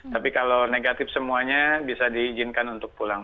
tapi kalau negatif semuanya bisa diizinkan untuk pulang